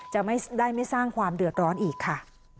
จะไม่ได้ไม่สร้างความเดือดร้อนอีกค่ะ